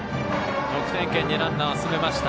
得点圏にランナーを進めました。